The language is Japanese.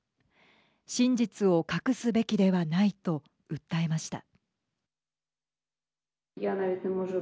真実を隠すべきではないと訴えました。